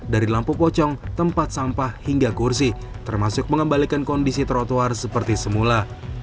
dari lampu pocong tempat sampah hingga kursi termasuk mengembalikan kondisi trotoar seperti semula